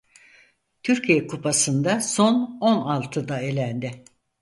Türkiye kupasında son on altı da elendi.